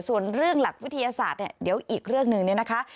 ส่วนเรื่องหลักวิทยาศาสตร์เนี่ยเดี๋ยวอีกเรื่องหนึ่งเนี่ยนะคะ